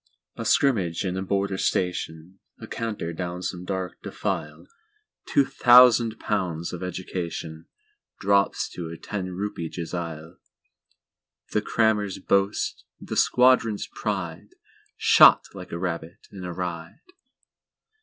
A scrimmage in a Border Station—A canter down some dark defile—Two thousand pounds of educationDrops to a ten rupee jezail—The Crammer's boast, the Squadron's pride, Shot like a rabbit in a ride!